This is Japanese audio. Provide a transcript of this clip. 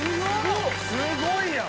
すごいやん！